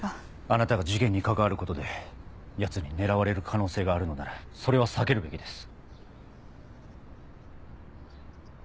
あなたが事件に関わることでヤツに狙われる可能性があるのならそれは避けるべきです。